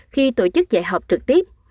khi tổ chức dạy học trực tiếp